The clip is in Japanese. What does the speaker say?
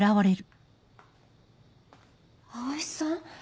葵さん？